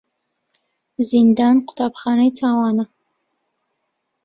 زیندان قوتابخانەی تاوانە.